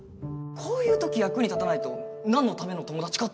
こういう時役に立たないとなんのための友達かって事だろ。